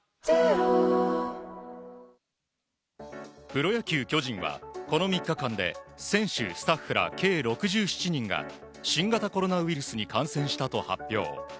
プロ野球、巨人はこの３日間で選手、スタッフら計６７人が新型コロナウイルスに感染したと発表。